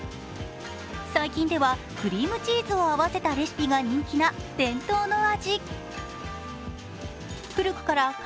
最近ではクリームチーズを合わせたレシピンが人気な伝統の味。